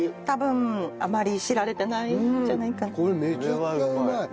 多分あまり知られてないんじゃないかな。